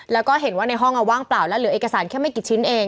แล้วก็เห็นว่าในห้องว่างเปล่าแล้วเหลือเอกสารแค่ไม่กี่ชิ้นเอง